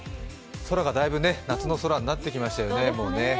空がだいぶ夏の空になってきましたよね、もうね。